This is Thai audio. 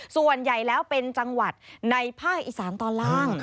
ส่วนใหญ่แล้วเป็นจังหวัดในภาคอีสานตอนล่าง